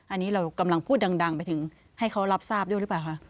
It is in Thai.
อันนี้เรากำลังพูดดังไปถึงให้เขารับทราบด้วยหรือเปล่าคะ